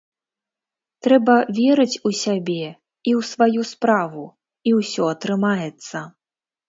Трэба верыць у сябе і ў сваю справу, і ўсё атрымаецца.